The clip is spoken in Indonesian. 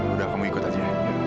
udah kamu ikut aja